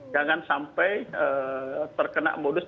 jangan sampai terkena modus